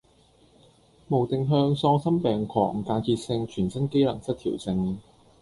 無定向喪心病狂間歇性全身機能失調症